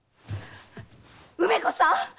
梅子さん！